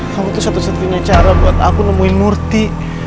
kamu tuh satu satunya cara buat aku nemuin murti